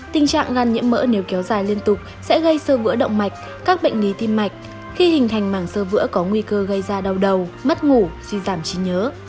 tình trạng gan nhiễm mỡ nếu kéo dài liên tục sẽ gây sơ vữa động mạch các bệnh lý tim mạch khi hình thành mảng sơ vữa có nguy cơ gây ra đau đầu mất ngủ suy giảm trí nhớ